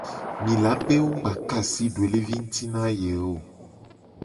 Mi la be wo mu gba ka asi doelevi nguti na ye o.